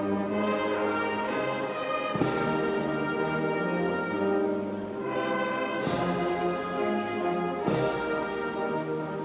สวัสดีครับทุกคน